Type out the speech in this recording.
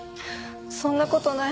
そんな事ない。